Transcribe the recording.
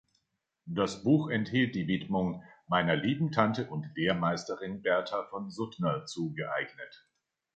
Das Buch enthielt die Widmung „Meiner lieben Tante und Lehrmeisterin Bertha von Suttner zugeeignet.